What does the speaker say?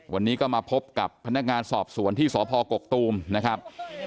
วันนี้ก็มาพบกับพนักงานสอบสวนที่สพกกตูมนะครับ